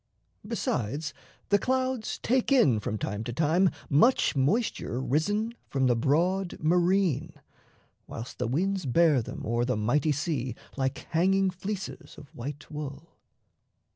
Besides, the clouds take in from time to time Much moisture risen from the broad marine, Whilst the winds bear them o'er the mighty sea, Like hanging fleeces of white wool.